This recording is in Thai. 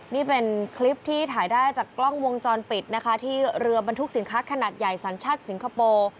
นี่เป็นคลิปที่ถ่ายได้จากกล้องวงจรปิดนะคะที่เรือบรรทุกสินค้าขนาดใหญ่สัญชาติสิงคโปร์